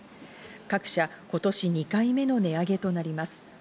各社、今年２回目の値上げとなります。